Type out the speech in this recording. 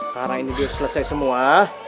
karena ini sudah selesai semua